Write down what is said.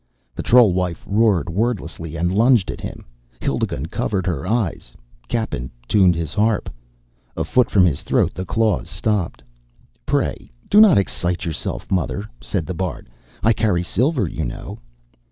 The troll wife roared wordlessly and lunged at him. Hildigund covered her eyes. Cappen tuned his harp. A foot from his throat, the claws stopped. "Pray do not excite yourself, mother," said the bard. "I carry silver, you know."